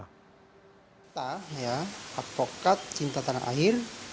kita ya advokat cinta tanah air